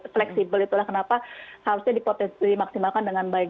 fleksibel itulah kenapa harusnya dimaksimalkan dengan baik